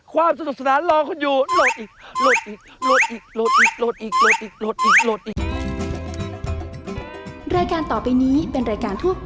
ความสนุกสนานรอคนอยู่โหดอีกโหดอีกโหดอีกโหดอีกโหดอีก